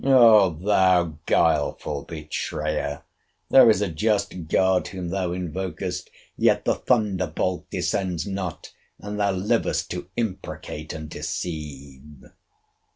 O thou guileful betrayer! there is a just God, whom thou invokest: yet the thunderbolt descends not; and thou livest to imprecate and deceive!